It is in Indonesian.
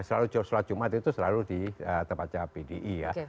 selalu sholat jumat itu selalu di tempatnya pdi ya